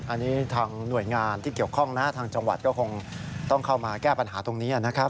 อันนี้ทางหน่วยงานที่เกี่ยวข้องนะทางจังหวัดก็คงต้องเข้ามาแก้ปัญหาตรงนี้นะครับ